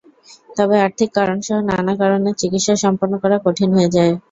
তবে আর্থিক কারণসহ নানা কারণে চিকিৎসা সম্পন্ন করা কঠিন হয়ে যায়।